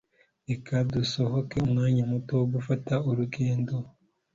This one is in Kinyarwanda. Reka dusohoke umwanya muto wo gufata urugendo.